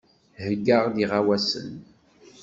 Heyyaɣ-d iɣawasen.